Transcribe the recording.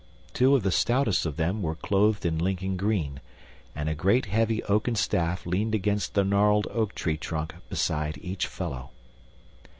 Two of the stoutest of them were clothed in Lincoln green, and a great heavy oaken staff leaned against the gnarled oak tree trunk beside each fellow.